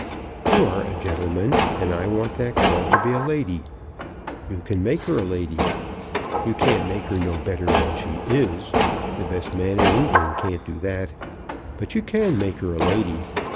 You are a gentleman, and I want that girl to be a lady. You can make her a lady. You can't make her no better than she is. The best man in England can't do that. But you can make her a lady.